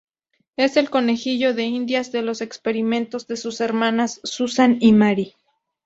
Es el conejillo de indias de los experimentos de sus hermanas Susan y Mary.